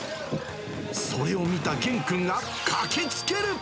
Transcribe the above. それを見た元くんが駆けつける。